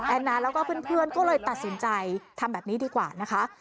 นาแล้วก็เพื่อนก็เลยตัดสินใจทำแบบนี้ดีกว่านะคะ